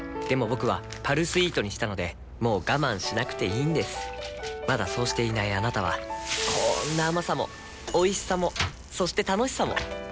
僕は「パルスイート」にしたのでもう我慢しなくていいんですまだそうしていないあなたはこんな甘さもおいしさもそして楽しさもあちっ。